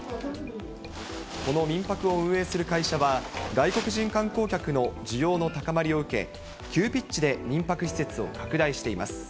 この民泊を運営する会社は、外国人観光客の需要の高まりを受け、急ピッチで民泊施設を拡大しています。